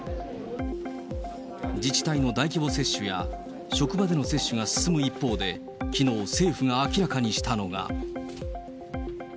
自治体の大規模接種や職場での接種が進む一方で、きのう、政府が明らかにしたのが。